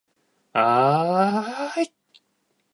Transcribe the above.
ああああああああああああああああい